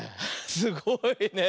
すごいねえ。